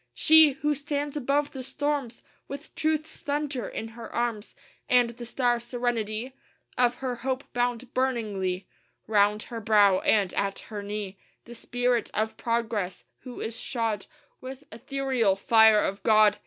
She! who stands above the storms With truth's thunder in her arms, And the star serenity Of her hope bound burningly Round her brow; and at her knee The Spirit of Progress who is shod With ethereal fire of God....